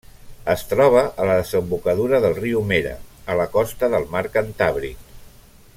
Es troba a la desembocadura del riu Mera, a la costa del mar Cantàbric.